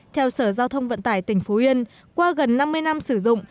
theo sở giao thông vận tải tỉnh phú yên qua gần năm mươi năm sử dụng